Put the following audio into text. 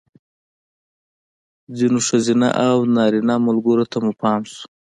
ځینو ښځینه او نارینه ملګرو ته مې پام شو.